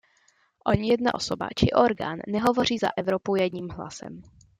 Ani jedna osoba či orgán nehovoří za Evropu jedním hlasem.